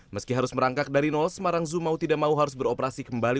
meski harus merangkak dari nol semarang zoo mau tidak mau harus beroperasi kembali